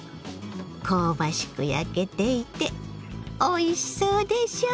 香ばしく焼けていておいしそうでしょ！